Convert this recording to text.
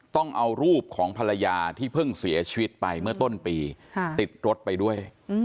ต้องเอารูปของภรรยาที่เพิ่งเสียชีวิตไปเมื่อต้นปีติดรถไปด้วย